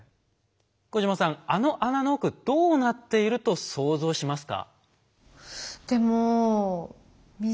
小島さんあの穴の奥どうなっていると想像しますか？